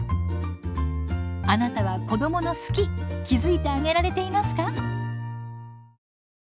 あなたは子どもの「好き」気付いてあげられていますか？